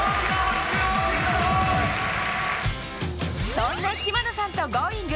そんな島野さんと「Ｇｏｉｎｇ！」